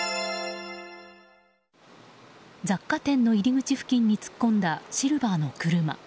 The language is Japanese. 雑貨店の入り口付近に突っ込んだシルバーの車。